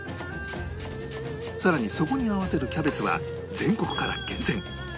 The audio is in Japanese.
さらにそこに合わせるキャベツは全国から厳選